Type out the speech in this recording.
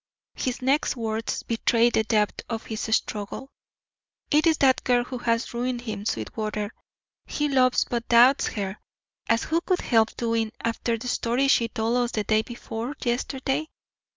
His next words betrayed the depth of his struggle: "It is that girl who has ruined him, Sweetwater. He loves but doubts her, as who could help doing after the story she told us day before yesterday?